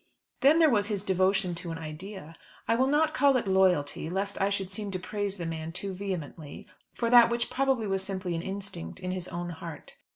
Then there was his devotion to an idea! I will not call it loyalty, lest I should seem to praise the man too vehemently for that which probably was simply an instinct in his own heart.